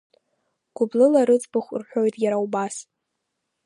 Гәыблыла рыӡбахә рҳәоит, иара убас…